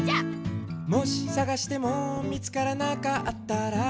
「もしさがしても見つからなかったら？」